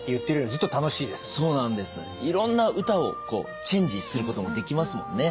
いろんな歌をチェンジすることもできますもんね。